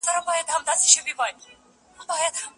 حکومت د بهرنیو سیاسي ډلو سره پټې معاملې نه کوي.